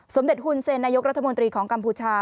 สมเด็จฮุนเซนนายกรัฐมนตรีของกัมพูชา